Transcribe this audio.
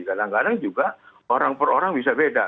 kadang kadang juga orang per orang bisa beda